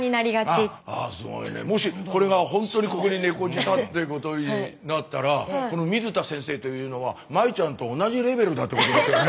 あっあぁすごいねもしこれがほんとにここに「猫舌」ってことになったらこの水田先生というのは麻衣ちゃんと同じレベルだってことだよね。